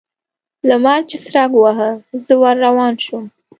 لمر چې څرک واهه؛ زه ور روان شوم.